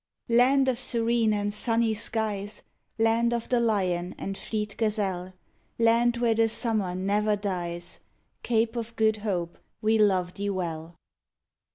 Land of serene and sunny skies, Land of the lion and fleet gazelle; Land where the summer never dies, Cape of Good Hope, we love thee well.